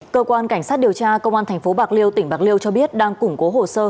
cơ quan cảnh sát điều tra công an tp bạc liêu tỉnh bạc liêu cho biết đang củng cố hồ sơ